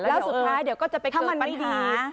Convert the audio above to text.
แล้วสุดท้ายเดี๋ยวก็จะไปเข้ามาหา